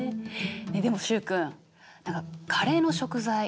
でも習君カレーの食材